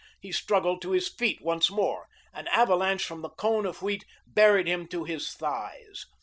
He struggled to his feet once more. An avalanche from the cone of wheat buried him to his thighs.